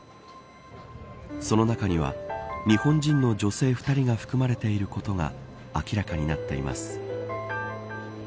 その中には日本人の女性２人が含まれていることが明らかになっています。